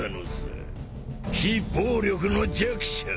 非暴力の弱者！